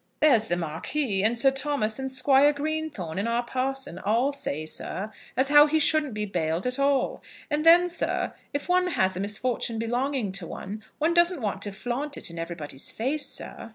"There's the Marquis, and Sir Thomas, and Squire Greenthorne, and our parson, all say, sir, as how he shouldn't be bailed at all. And then, sir, if one has a misfortune belonging to one, one doesn't want to flaunt it in everybody's face, sir."